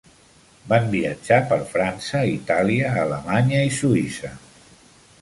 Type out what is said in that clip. Van viatjar per França, Itàlia, Alemanya i Suïssa.